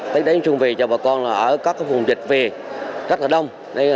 tết đến xuân về cho bà con ở các vùng dịch về rất là đông